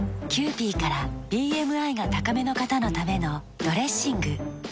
キユーピーからＢＭＩが高めの方のためのドレッシング。